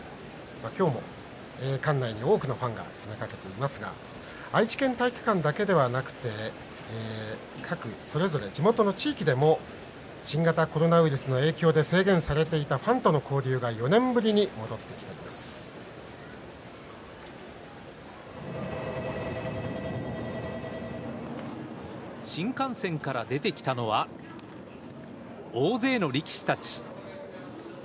今日も館内に多くのファンが詰めかけていますが愛知県体育館だけではなくて各それぞれ地元の地域でも新型コロナウイルスの影響で制限されていたファンとの交流が新幹線から出てきたのは大勢の力士たち。